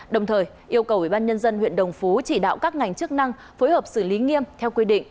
đồng thời yêu cầu ubnd huyện đồng phú chỉ đạo các ngành chức năng phối hợp xử lý nghiêm theo quy định